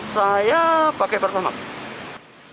saya pakai pertamax